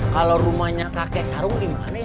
kalau rumahnya kakek sarung di mana ya